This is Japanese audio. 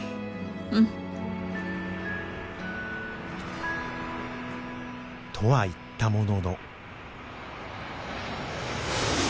うん。とは言ったものの。